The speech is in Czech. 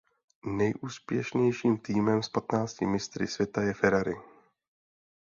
Nejúspěšnějším týmem s patnácti mistry světa je Ferrari.